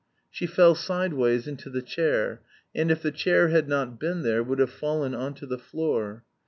She fell sideways into the chair, and if the chair had not been there would have fallen on to the floor.